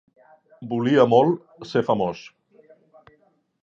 Volia molt ser famós.